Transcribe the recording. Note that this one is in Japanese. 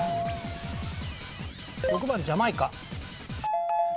６番ジャマイカ。